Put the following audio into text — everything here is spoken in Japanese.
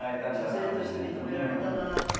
女性として認められたなって？